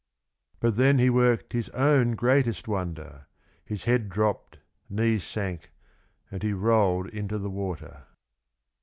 But then he worked his own greatest wonder, his head dropped, knees sank, and he rolled into the water.